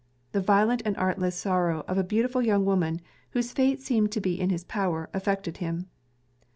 The violent and artless sorrow of a beautiful young woman, whose fate seemed to be in his power, affected him.